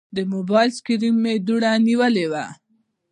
د موبایل سکرین مې دوړه نیولې وه.